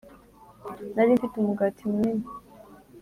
nari mfite umugati munini